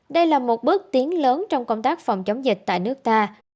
đây là một bước tiến lớn trong công tác phòng chống dịch tại nước ta